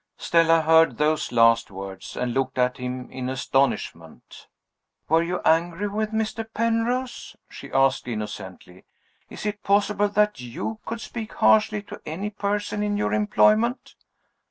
Stella heard those last words, and looked at him in astonishment. "Were you angry with Mr. Penrose?" she asked innocently. "Is it possible that you could speak harshly to any person in your employment?"